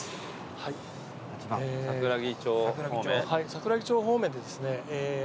桜木町方面でですねえー